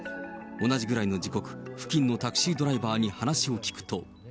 同じぐらいの時刻、付近のタクシードライバーに話を聞くと。